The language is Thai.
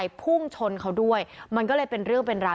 พุ่งชนเขาด้วยมันก็เลยเป็นเรื่องเป็นราว